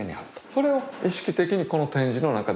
それを意識的にこの展示の中で行う。